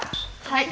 はい。